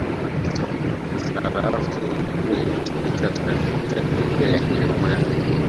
Sarafu iliyokuwa inatumika Tanganyika ni Rupia ya Kijerumani